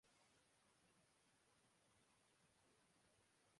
بڑے بحران بڑے دل اور بڑے دماغ کا تقاضا کرتے ہیں۔